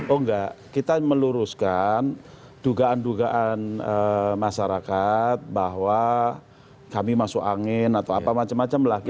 oh enggak kita meluruskan dugaan dugaan masyarakat bahwa kami masuk angin atau apa macam macam lah